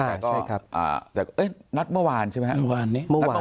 ใช่ครับแต่เอ้ยนัดเมื่อวานใช่ไหมเมื่อวานนี้เมื่อวาน